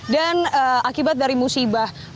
dan akibat dari musibah amblesnya